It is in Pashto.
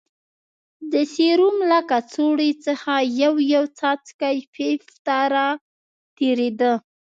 د سيروم له کڅوړې څخه يو يو څاڅکى پيپ ته راتېرېده.